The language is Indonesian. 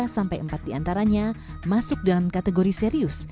tiga sampai empat di antaranya masuk dalam kategori serius